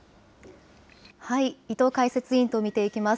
伊藤解説委員と見ていきます。